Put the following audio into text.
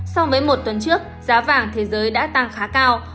so với một tuần trước giá vàng thế giới đã tăng khá cao